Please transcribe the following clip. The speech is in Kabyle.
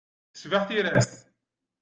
Tecbeḥ tira-s.